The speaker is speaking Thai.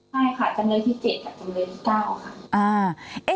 ใช่ค่ะจำเลยที่๗กับจำเลยที่๙ค่ะ